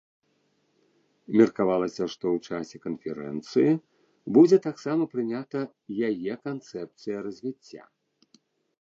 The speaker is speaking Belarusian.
Меркавалася, што ў часе канферэнцыі будзе таксама прынята яе канцэпцыя развіцця.